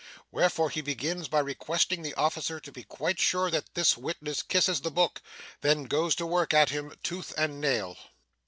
Wherefore, he begins by requesting the officer to be quite sure that this witness kisses the book, then goes to work at him, tooth and nail.